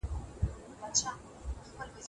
شاعر د ټولنې مسایل بیانوي.